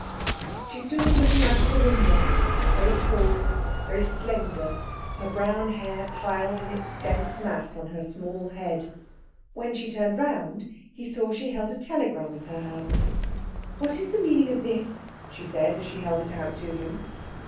She stood looking out of the window, very tall, very slender, her brown hair piled in its dense mass on her small head. When she turned round he saw she held a telegram in her hand. 'What is the meaning of this?' she said, as she held it out to him.